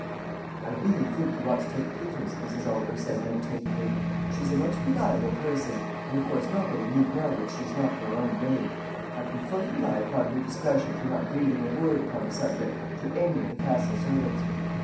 "I really think you ought to take Peters," Mrs. Oliver said meditatively. "She is a most reliable person; and of course nobody need know that she is not your own maid. I can fully rely upon her discretion for not breathing a word upon the subject to any of the Castle servants."